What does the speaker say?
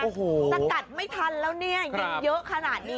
โอ้โหสกัดไม่ทันแล้วเนี่ยยังเยอะขนาดนี้